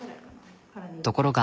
ところが。